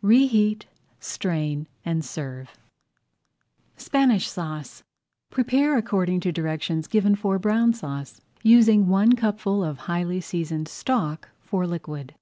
Reheat, strain, and serve. SPANISH SAUCE Prepare according to directions given for Brown Sauce, using one cupful of highly seasoned stock for liquid.